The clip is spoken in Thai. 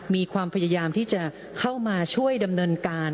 มีความพยายามที่จะเข้ามาช่วยดำเนินการ